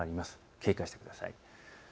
警戒してください。